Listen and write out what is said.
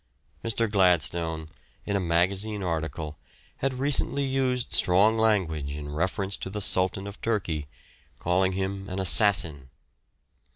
Mr. Gladstone, in a magazine article, had recently used strong language in reference to the Sultan of Turkey, calling him an assassin.